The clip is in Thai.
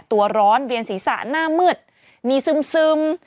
ตัวร้อนเวียนศีรษะหน้ามืดมีซึม